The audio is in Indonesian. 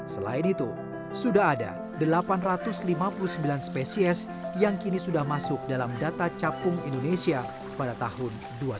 selain itu sudah ada delapan ratus lima puluh sembilan spesies yang kini sudah masuk dalam data capung indonesia pada tahun dua ribu dua puluh